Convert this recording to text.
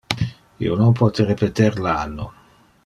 Io non pote repeter le anno.